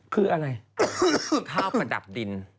คืออะไร